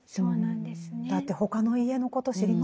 だって他の家のこと知りませんもんね。